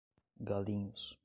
Galinhos